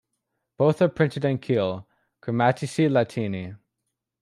Both are printed in Keil, "Grammatici Latini".